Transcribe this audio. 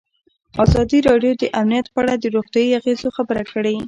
ازادي راډیو د امنیت په اړه د روغتیایي اغېزو خبره کړې.